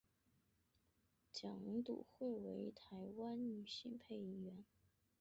蒋笃慧为台湾女性配音员。